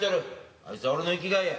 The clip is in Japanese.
あいつは俺の生きがいや。